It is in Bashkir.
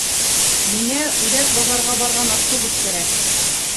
Миңә Үҙәк баҙарға барған автобус кәрәк.